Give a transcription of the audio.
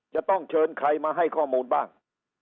จะต้องเชิญใครมาให้ข้อมูลบ้าง